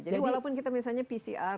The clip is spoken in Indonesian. jadi walaupun kita misalnya pcr